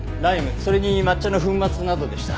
それに抹茶の粉末などでした。